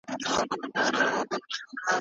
د امبولانس سرعت په لاره کې زیاتېده.